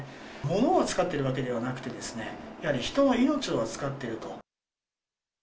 ものを扱っているわけではなくて、やはり人の命を扱っていると。